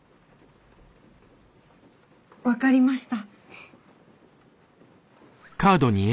分かりました。